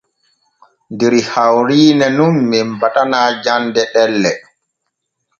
Der hawrine nun men batana jande ɗelle.